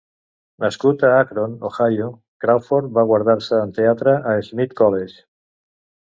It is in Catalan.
Nascut a Akron, Ohio, Crawford va graduar-se en teatre a Smith College.